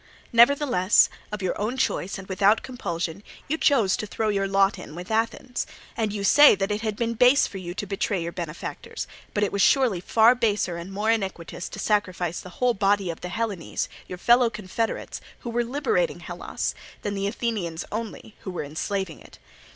Nevertheless, of your own choice and without compulsion you chose to throw your lot in with Athens. And you say that it had been base for you to betray your benefactors; but it was surely far baser and more iniquitous to sacrifice the whole body of the Hellenes, your fellow confederates, who were liberating Hellas, than the Athenians only, who were enslaving it.